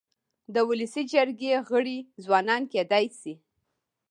د ولسي جرګي غړي ځوانان کيدای سي.